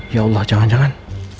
ya allah jangan jangan